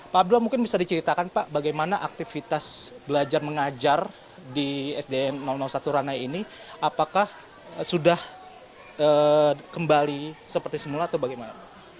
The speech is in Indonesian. pak abdullah mungkin bisa diceritakan pak bagaimana aktivitas belajar mengajar di sdm satu ranai ini apakah sudah kembali seperti semula atau bagaimana